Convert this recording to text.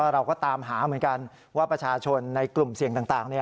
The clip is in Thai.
เราก็ตามหาเหมือนกันว่าประชาชนในกลุ่มเสี่ยงต่าง